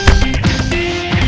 kamu gak apa apa